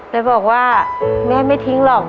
แล้วบอกว่าแม่ไม่ทิ้งหรอก